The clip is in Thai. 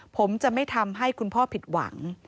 ผมจะไม่ทำให้คุณพ่อผิดหวัง